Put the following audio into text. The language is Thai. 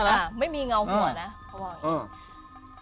อเรนนี่ไม่มีเงาหัวนะเขาบอกอย่างนี้